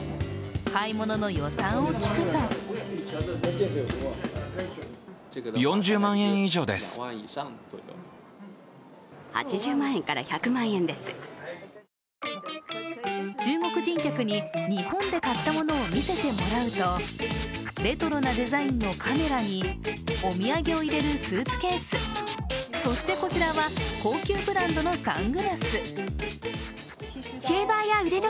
買い物の予算を聞くと中国人客に日本で買ったものを見せてもらうと、レトロなデザインのカメラにお土産を入れるスーツケース、そしてこちらは、高級ブランドのサングラス。